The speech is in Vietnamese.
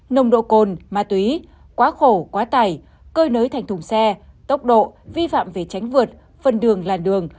nồng độ cồn ma túy quá khổ quá tải cơi nới thành thùng xe tốc độ vi phạm về tránh vượt phần đường làn đường